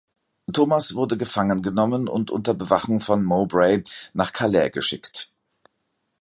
Thomas wurde gefangen genommen und unter Bewachung von Mowbray nach Calais geschickt.